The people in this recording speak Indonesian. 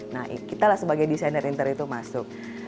nah kita lah sebagai desainer interior itu masuk